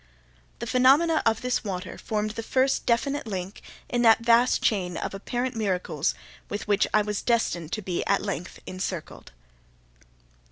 The phenomena of this water formed the first definite link in that vast chain of apparent miracles with which I was destined to be at length encircled.